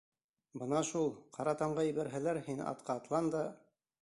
Бына шул, ҡара тамға ебәрһәләр, һин атҡа атлан да...